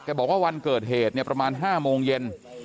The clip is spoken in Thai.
บอกว่าวันเกิดเหตุเนี่ยประมาณ๕โมงเย็น